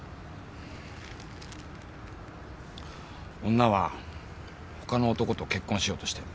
女はほかの男と結婚しようとしてる。